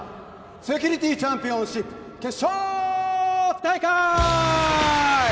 セキュリティチャンピオンシップ決勝大会！